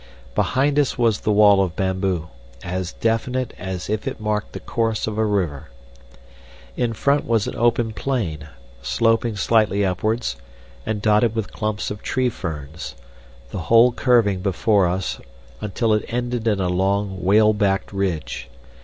Behind us was the wall of bamboo, as definite as if it marked the course of a river. In front was an open plain, sloping slightly upwards and dotted with clumps of tree ferns, the whole curving before us until it ended in a long, whale backed ridge.